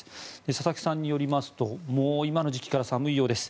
佐々木さんによりますと今の時期から寒いようです。